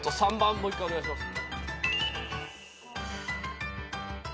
もう一回お願いします。